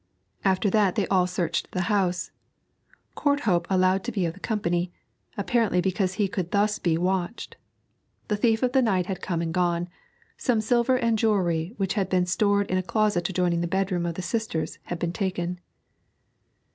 After that they all searched the house, Courthope allowed to be of the company, apparently because he could thus be watched. The thief of the night had come and gone; some silver and jewellery which had been stored in a closet adjoining the bedroom of the sisters had been taken.